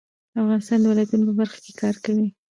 افغانستان د ولایتونو په برخه کې کار کوي.